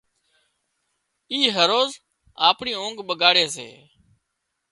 اي هروز آپڻي اونگھ ٻڳاڙي سي